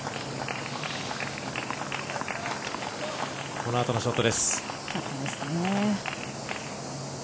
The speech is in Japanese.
このあとのショットです。